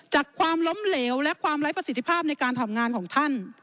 ความล้มเหลวและความไร้ประสิทธิภาพในการทำงานของท่าน